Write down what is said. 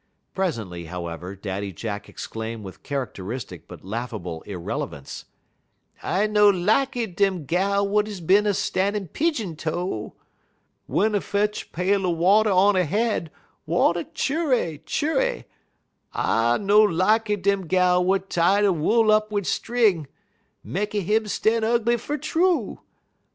Presently, however, Daddy Jack exclaimed with characteristic but laughable irrelevance: "I no lakky dem gal wut is bin a stan' pidjin toe. Wun 'e fetch pail er water on 'e head, water churray, churray. I no lakky dem gal wut tie 'e wool up wit' string; mekky him stan' ugly fer true.